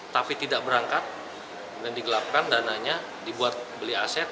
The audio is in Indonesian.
tapi tidak berangkat kemudian digelapkan dananya dibuat beli aset